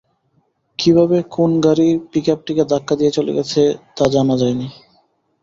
কীভাবে কোন গাড়ি পিকআপটিকে ধাক্কা দিয়ে চলে গেছে তা জানা যায়নি।